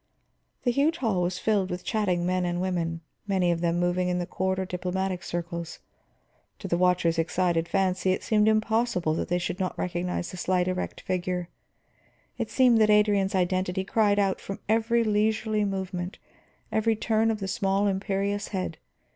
The huge hall was filled with chatting men and women, many of them moving in the court or diplomatic circles; to the watcher's excited fancy it seemed impossible that they should not recognize the slight, erect figure; it seemed that Adrian's identity cried out from every leisurely movement, every turn of the small imperious head.